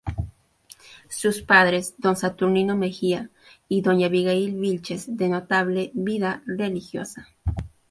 Sus padres Don Saturnino Mejía y Doña Abigail Vílchez de notable vida religiosa.